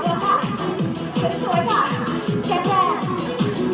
พักข่าข้างน้ำหนาวนะคะทำได้เลย